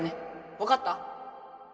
わかった？